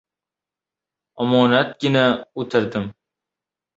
Omonatgina o‘tirdim.